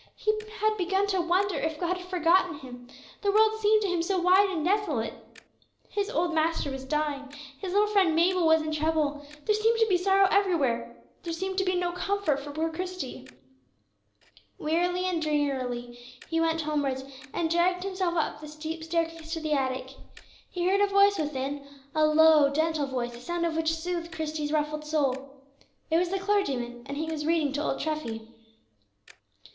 He had begun to wonder if God had forgotten him; the world seemed to him so wide and desolate. His old master was dying, his little friend Mabel was in trouble, there seemed to be sorrow everywhere. There seemed to be no comfort for poor Christie. Wearily and drearily he went homewards, and dragged himself up the steep staircase to the attic. He heard a voice within, a low, gentle voice, the sound of which soothed Christie's ruffled soul. It was the clergyman, and he was reading to old Treffy.